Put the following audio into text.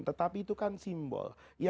tetapi itu kan simbol